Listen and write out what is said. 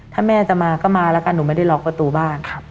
ถ้าแม่จะมาก็มาแล้วกันหนูไม่ได้ล็อกประตูบ้าน